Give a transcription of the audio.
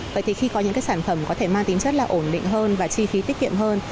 vậy thì khi có những cái sản phẩm có thể mang tính chất là ổn định hơn và chi phí tiết kiệm hơn